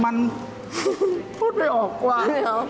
มันผู้ไม่ออกกว่า